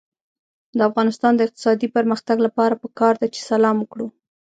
د افغانستان د اقتصادي پرمختګ لپاره پکار ده چې سلام وکړو.